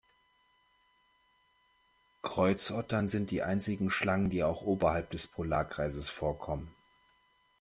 Kreuzottern sind die einzigen Schlangen, die auch oberhalb des Polarkreises vorkommen.